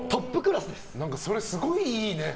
それ、すごいいいね。